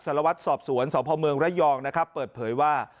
สรวรรษสอบสวนสพมระยองเปิดเผยว่า